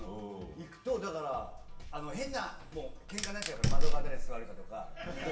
行くと変なけんかになっちゃうから、窓側に座るとか。